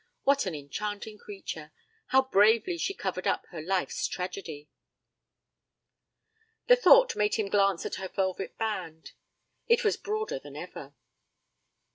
What an enchanting creature! how bravely she covered up her life's tragedy! The thought made him glance at her velvet band it was broader than ever.